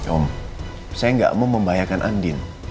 om saya nggak mau membahayakan andin